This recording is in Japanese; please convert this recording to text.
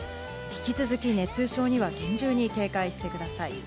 引き続き熱中症には厳重に警戒してください。